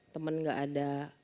temen gak ada